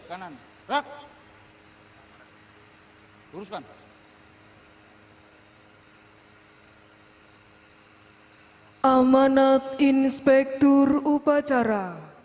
kepada inspektur upacara